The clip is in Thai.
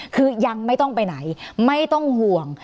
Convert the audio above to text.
คือยังไม่ต้องไปไหนไม่ต้องห่วง